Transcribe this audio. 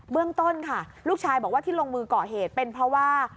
เรื่องต้นค่ะลูกชายบอกว่าที่ลงมือก่อเหตุเป็นเพราะว่า